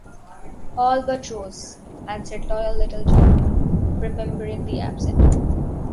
"All but Rose," answered loyal little Jamie, remembering the absent.